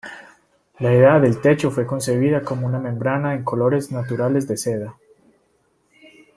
La idea del techo fue concebida como una membrana en colores naturales de seda.